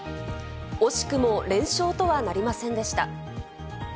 惜しくも連勝とはなりませんでした。